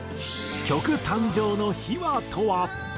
曲誕生の秘話とは？